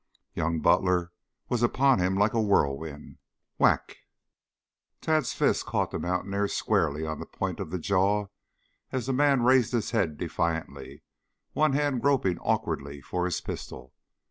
Young Butler was upon him like a whirlwind. Whack! Tad's fist caught the mountaineer squarely on the point of the jaw as the man raised his head half defiantly, one hand groping awkwardly for his pistol.